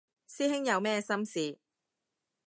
師兄有咩心事